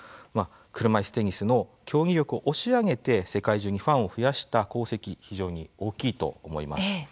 車いすテニスの競技力を押し上げて世界中にファンを増やした功績非常に大きいと思います。